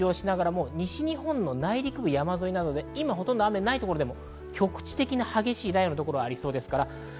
その他、午後はやや北上しながらも、西日本の内陸部、山沿いなどで今、ほとんど雨ない所でも、局地的な激しい雷雨の所がありそうです。